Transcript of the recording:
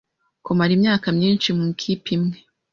kumara imyaka myinshi mu ikipe imwe